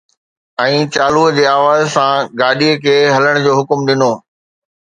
۽ چالوءَ جي آواز سان گاڏيءَ کي ھلڻ جو حڪم ڏنو